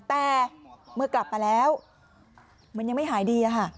แต่เมื่อกลับมาแล้วมันยังไม่หายดีค่ะ